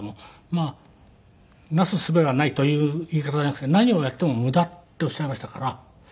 まあなすすべがないという言い方じゃなくて「何をやっても無駄」っておっしゃいましたから。